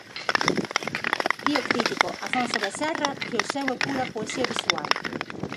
Di o crítico Afonso Becerra que o seu é pura "poesía visual".